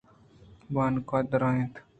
بانک ءَدرّائینت